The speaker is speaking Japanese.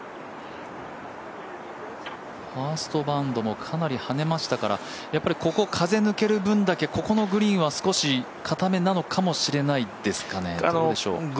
ファーストバウンドもかなり跳ねましたからここ、風が抜ける分だけここのグリーンは硬めなのかもしれないですかねどうでしょう。